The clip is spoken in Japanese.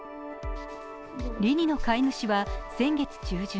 リニの飼い主は先月中旬